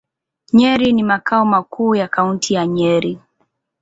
Nyeri ni makao makuu ya Kaunti ya Nyeri.